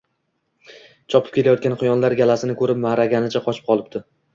chopib kelayotgan quyonlar galasini ko’rib, ma’raganicha qochib qolibdi